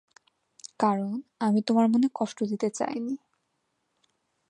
কারণ আমি তোমার মনে কষ্ট দিতে চাইনি।